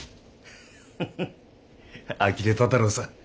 フフフあきれただろうさ。